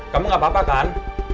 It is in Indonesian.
kamu gak apa apa kan